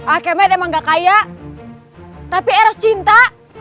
akemen emang gak kayak tapi eros cinta